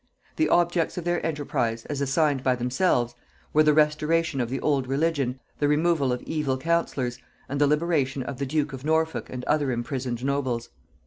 The objects of their enterprise, as assigned by themselves, were the restoration of the old religion, the removal of evil counsellors, and the liberation of the duke of Norfolk and other imprisoned nobles.